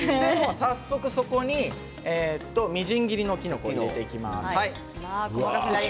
ここにみじん切りのきのこを入れていきます。